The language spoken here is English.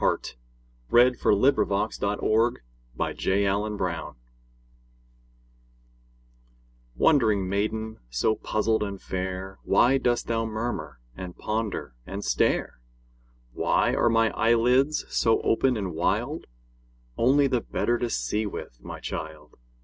WHAT THE WOLF REALLY SAID TO LITTLE RED RIDING HOOD Wondering maiden, so puzzled and fair, Why dost thou murmur and ponder and stare? "Why are my eyelids so open and wild?" Only the better to see with, my child!